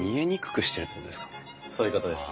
そういうことです。